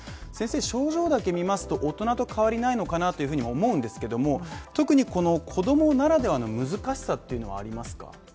症状だけ見ますと、大人と変わりないのかなと思うんですけど特に子供ならではの難しさはありますか？